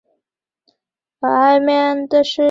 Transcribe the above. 各地 A 级旅游景区应加强汛期隐患排查